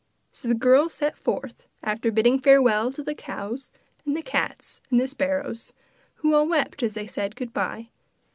So the girl set forth, after bidding farewell to the cows and the cats and the sparrows, who all wept as they said good bye.